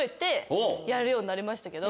やるようになりましたけど。